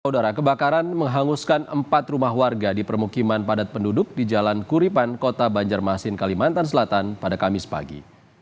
udara kebakaran menghanguskan empat rumah warga di permukiman padat penduduk di jalan kuripan kota banjarmasin kalimantan selatan pada kamis pagi